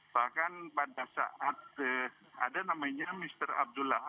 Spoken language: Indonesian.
bahkan pada saat ada namanya mr abdullah